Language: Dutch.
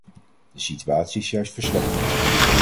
De situatie is juist verslechterd.